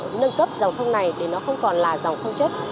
để nâng cấp dòng sông này để nó không còn là dòng sông chất